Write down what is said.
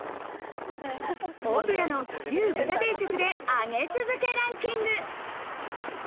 大戸屋の牛・豚定食で上げ続けランキング。